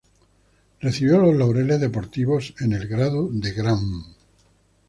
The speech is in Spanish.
Recibió los Laureles Deportivos en el Grado de Gran